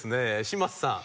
嶋佐さん。